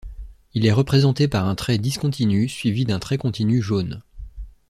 Il est représenté par un trait discontinu suivi d'un trait continu jaune.